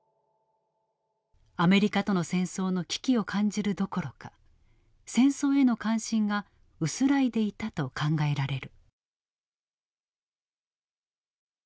アメリカとの戦争の危機を感じるどころか戦争への関心が薄らいでいたと考えられる。